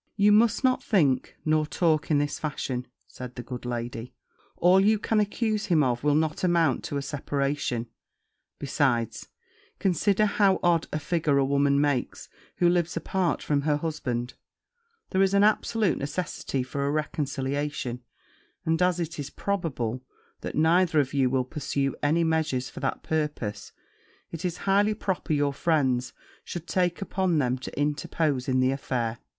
'You must not think, nor talk in this fashion,' said the good lady; 'all you can accuse him of will not amount to a separation; besides, consider how odd a figure a woman makes who lives apart from her husband; there is an absolute necessity for a reconciliation; and, as it is probable that neither of you will pursue any measures for that purpose, it is highly proper your friends should take upon them to interpose in the affair.'